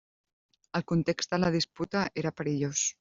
El context de la disputa era perillós.